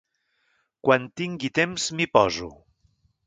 Quan tingui temps m'hi poso.